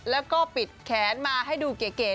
แล้วก็ปิดแขนมาให้ดูเก๋นิดหนึ่ง